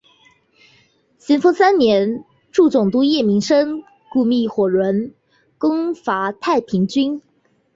咸丰三年助总督叶名琛雇觅火轮攻剿太平军。